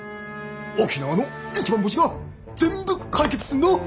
沖縄の一番星が全部解決すんどー！